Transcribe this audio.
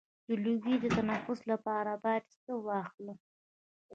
د لوګي د تنفس لپاره باید څه واخلم؟